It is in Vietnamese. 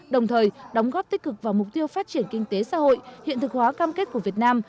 đồng thời đóng góp tích cực vào mục tiêu phát triển kinh tế xã hội hiện thực hóa cam kết của việt nam